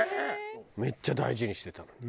めっちゃ大事にしてたのに。